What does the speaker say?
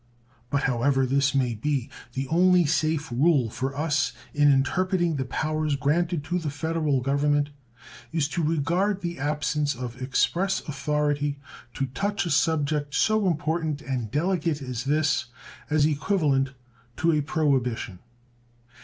But however this may be, the only safe rule for us in interpreting the powers granted to the Federal Government is to regard the absence of express authority to touch a subject so important and delicate as this as equivalent to a prohibition.